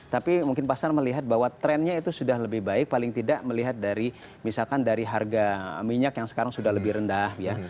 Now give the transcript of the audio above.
tapi mungkin pasar melihat bahwa trennya itu sudah lebih baik paling tidak melihat dari misalkan dari harga minyak yang sekarang sudah lebih rendah ya